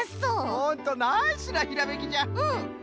ほんとナイスなひらめきじゃ！